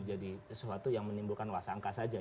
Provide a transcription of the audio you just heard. jadi sesuatu yang menimbulkan wasangka saja